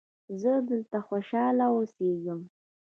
زه دلته خوشحاله اوسیږم.